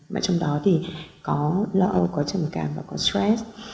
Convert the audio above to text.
mà trong đó thì có lợi có trầm cảm và có stress